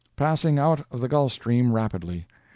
"Passing out of the Gulf Stream rapidly.